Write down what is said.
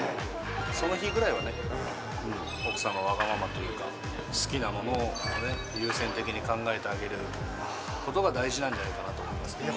その日ぐらいはね、奥さんのわがままというか、好きなものを優先的に考えてあげることが大事なんじゃないかなと思いますけど。